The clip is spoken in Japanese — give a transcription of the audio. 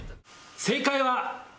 正解は。